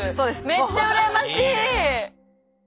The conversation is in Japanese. めっちゃ羨ましい！